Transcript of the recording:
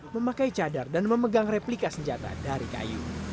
memakai cadar dan memegang replika senjata dari kayu